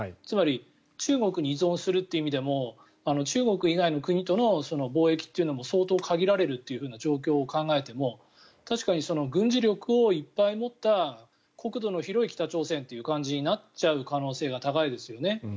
つまり、中国に依存するという意味でも中国以外の国との貿易というのも相当限られるという状況を考えても確かに、軍事力をいっぱい持った国土の広い北朝鮮という感じになっちゃう可能性が高いですよね。